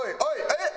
えっ？